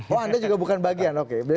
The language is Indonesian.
oh anda juga bukan bagian oke